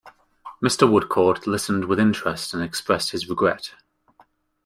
Mr. Woodcourt listened with interest and expressed his regret.